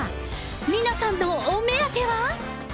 皆さんのお目当ては。